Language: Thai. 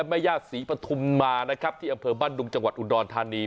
มาที่อำเภอบ้านดุงจังหวัดอุดรธานี